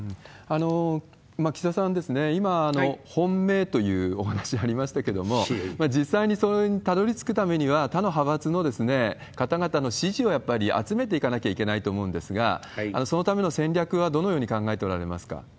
岸田さんは今、本命というお話ありましたけれども、実際にそれにたどりつくためには、他の派閥の方々の支持をやっぱり集めていかなきゃいけないと思うんですが、そのための戦略はどのように考えておられますか？